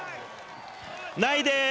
ないでーす。